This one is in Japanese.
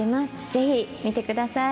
ぜひ見てください。